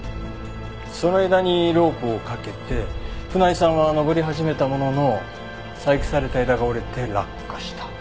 その枝にロープをかけて船井さんは登り始めたものの細工された枝が折れて落下した。